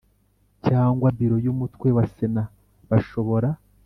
Cyangwa biro y umutwe wa sena bashobora